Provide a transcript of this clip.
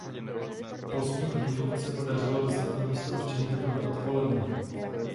Polským oddílům se podařilo dostat na místo určení teprve odpoledne.